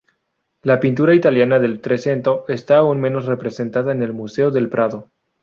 La pintura italiana del "Trecento" está aún menos representada en el Museo del Prado.